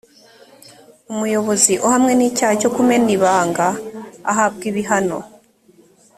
umuyobozi uhamwe n’icyaha cyo kumena ibanga ahabwa ibihano